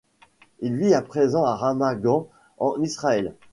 Il vit à présent à Ramat Gan en Israël.